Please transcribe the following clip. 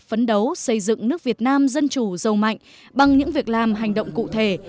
phấn đấu xây dựng nước việt nam dân chủ giàu mạnh bằng những việc làm hành động cụ thể